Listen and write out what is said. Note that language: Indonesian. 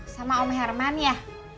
sama om hermani ya